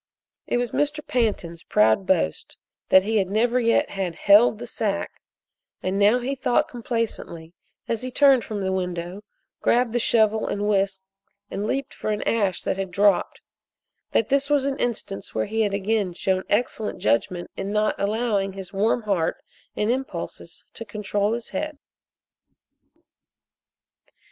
It was Mr. Pantin's proud boast that he never yet had "held the sack," and now he thought complacently as he turned from the window, grabbed the shovel and whisk and leaped for an ash that had dropped, that this was an instance where he had again shown excellent judgment in not allowing his warm heart and impulses to control his head.